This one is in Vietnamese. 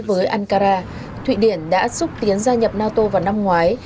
với ankara thụy điển đã xúc tiến gia nhập nato vào năm ngoái